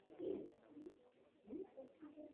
ইবনে সৌদের লোকেরা এগুলোর দখল লাভ করে।